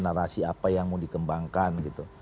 narasi apa yang mau dikembangkan gitu